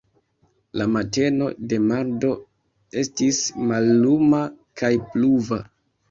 La mateno de mardo estis malluma kaj pluva.